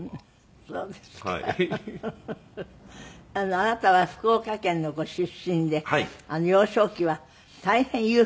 あなたは福岡県のご出身で幼少期は大変裕福なお坊ちゃま。